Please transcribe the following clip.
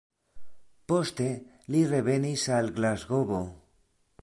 Poste li revenis al Glasgovo.